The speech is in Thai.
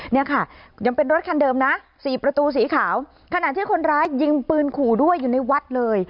เนี่ยค่ะยังเป็นรถคันเดิมนะสี่ประตูสีขาวขณะที่คนร้ายยิงปืนขู่ด้วยอยู่ในวัดเลย